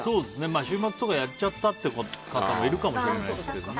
週末とかやっちゃった方もいるかもしれないですけどね。